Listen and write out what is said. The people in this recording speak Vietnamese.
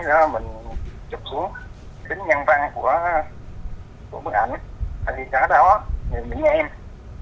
rồi tặng có máy đó mình chụp xuống tính nhân văn của bức ảnh